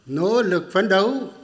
nỗ lực phấn đấu